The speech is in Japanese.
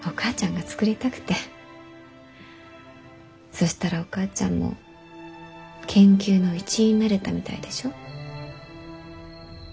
そしたらお母ちゃんも研究の一員になれたみたいでしょ？